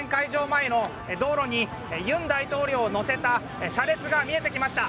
前の道路に尹大統領を乗せた車列が見えてきました。